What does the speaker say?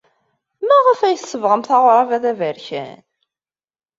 Maɣef ay tsebɣemt aɣrab-a d aberkan?